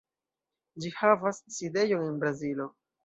Ĝi havas sidejon en Brazilo.